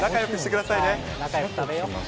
仲よく食べよう。